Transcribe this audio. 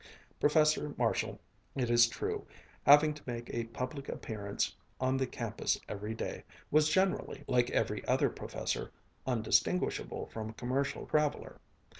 Professor Marshall, it is true, having to make a public appearance on the campus every day, was generally, like every other professor, undistinguishable from a commercial traveler.